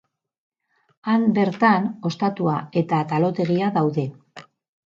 Han bertan ostatua eta talotegia daude.